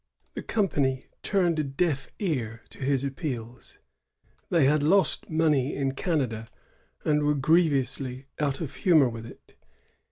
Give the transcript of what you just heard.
The company turned a deaf ear to his appeals. They had lost money in Canada, and were grievously out of humor with it.